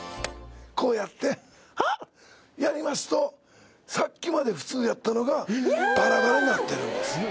こうやってやりますとさっきまで普通やったのがバラバラになってるんです